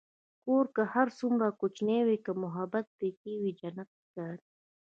کور که هر څومره کوچنی وي، که محبت پکې وي، جنت ښکاري.